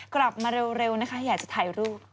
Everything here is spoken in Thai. กลับมาเร็วนะคะอยากจะถ่ายรูป